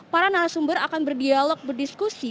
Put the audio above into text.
para narasumber akan berdialog berdiskusi